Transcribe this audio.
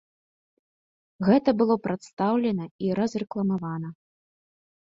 Гэта было прадстаўлена і разрэкламавана.